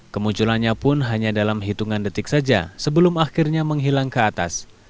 kemunculannya pun hanya dalam hitungan detik saja sebelum akhirnya menghilang ke atas